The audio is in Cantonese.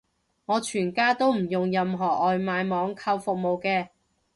我全家都唔用任何外送網購服務嘅